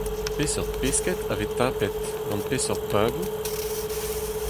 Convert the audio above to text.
Peseurt pesked a vez tapet, gant peseurt bagoù ?